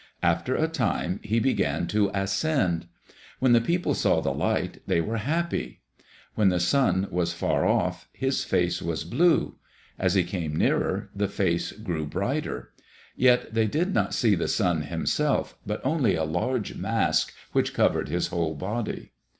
After a time he began to ascend. When the people saw the light they were happy. When the sun was far off, his face was blue; as he came nearer, the face grew brighter. Yet they did not see the sun himself, but only a large mask which covered his whole body.